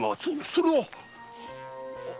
それは！